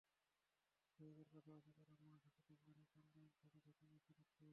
নিজেদের পাশাপাশি তাঁরা মা, শাশুড়ির জন্যও টাঙ্গাইল শাড়ি থেকেই বেছে নিচ্ছেন।